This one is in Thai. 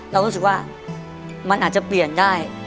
เรารู้สึกว่ามันอาจจะเปลี่ยนได้